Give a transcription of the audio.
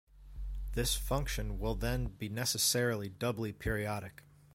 This function will then be necessarily doubly periodic.